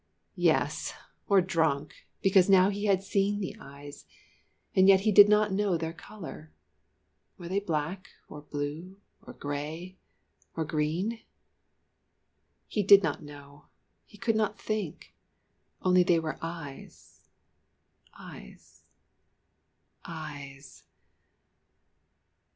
Yes or drunk, because now he had seen the eyes, and yet he did not know their colour! Were they black, or blue, or grey, or green? He did not know, he could not think only they were eyes eyes eyes.